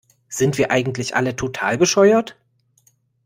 Sind wir eigentlich alle total bescheuert?